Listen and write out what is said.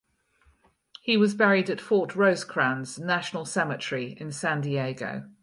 He was buried at Fort Rosecrans National Cemetery in San Diego.